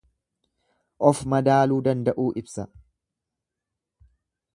Of madaaluu danda'uu ibsa.